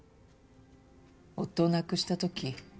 夫を亡くした時。